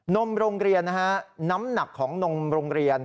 นมโรงเรียนนะฮะน้ำหนักของนมโรงเรียน